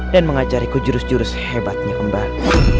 dan mengajariku jurus jurus hebatnya kembali